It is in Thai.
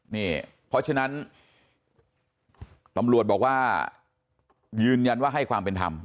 นี่เพราะฉะนั้นตำรวจบอกว่ายืนยันว่าให้ความเป็นธรรม